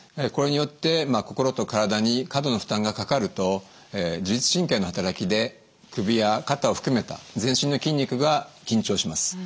これによって心と体に過度の負担がかかると自律神経の働きで首や肩を含めた全身の筋肉が緊張します。